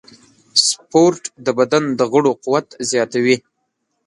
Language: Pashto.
سپورت د بدن د غړو قوت زیاتوي.